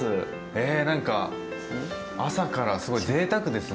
え何か朝からすごいぜいたくですね。